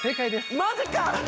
マジか！